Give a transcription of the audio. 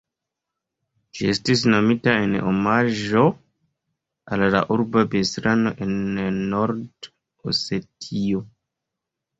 Ĝi estis nomita en omaĝo al la urbo Beslano en Nord-Osetio.